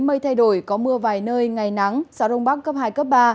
mây thay đổi có mưa vài nơi ngày nắng gió đông bắc cấp hai cấp ba